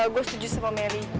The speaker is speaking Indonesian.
gue setuju sama mary